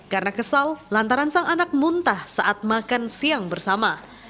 karena kesal lantaran sang anak muntah saat makan siang bersama